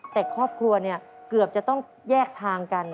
แต่ครอบครัวเนี่ยเกือบจะต้องแยกทางกัน